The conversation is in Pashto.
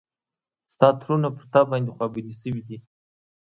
ستا ترونه پر تا باندې خوا بدي شوي دي.